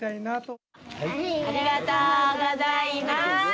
ありがとうございます。